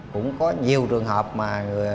cũng có nhiều trường hợp mà